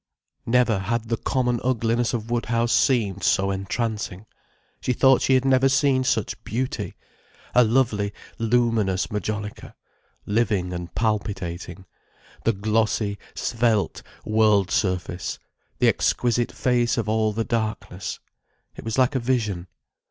Never had the common ugliness of Woodhouse seemed so entrancing. She thought she had never seen such beauty—a lovely luminous majolica, living and palpitating, the glossy, svelte world surface, the exquisite face of all the darkness. It was like a vision.